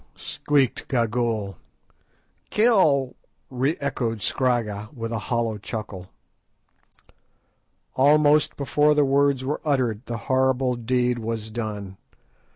_" squeaked Gagool. "Kill!" re echoed Scragga, with a hollow chuckle. Almost before the words were uttered the horrible deed was done.